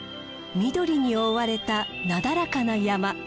緑に覆われたなだらかな山。